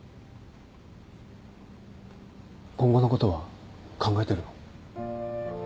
今後のことは考えてるの？